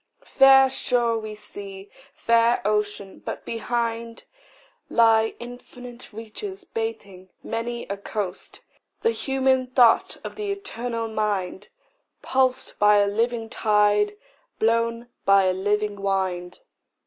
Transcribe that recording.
Fair shore we see, fair ocean; but behind Lie infinite reaches bathing many a coast The human thought of the eternal mind, Pulsed by a living tide, blown by a living wind.